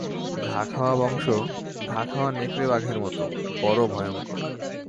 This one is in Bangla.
ঘা-খাওয়া বংশ, ঘা-খাওয়া নেকড়ে বাঘের মতো, বড়ো ভয়ংকর।